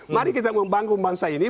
mari kita membangun bangsa ini